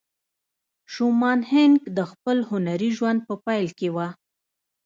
شومان هينک د خپل هنري ژوند په پيل کې وه.